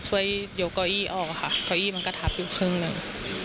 ก็คือเราให้คนมาช่วยยกกล้าออกอ่ะค่ะเผื่ออีมีคนจับให้ขึ้นหนึ่ง